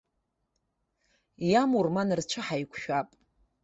Иамур, ма нарцәы ҳаиқәшәап.